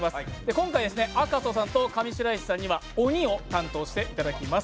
今回、赤楚さんと上白石さんには鬼を担当していただきます。